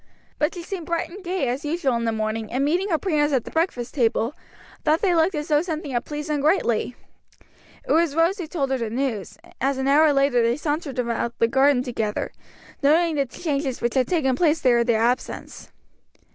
But she seemed bright and gay as usual in the morning, and meeting her parents at the breakfast table, thought they looked as though something had pleased them greatly. It was Rose who told her the news, as an hour later they sauntered around the garden together, noting the changes which had taken place there in their absence.